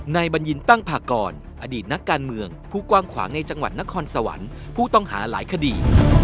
บัญญินตั้งพากรอดีตนักการเมืองผู้กว้างขวางในจังหวัดนครสวรรค์ผู้ต้องหาหลายคดี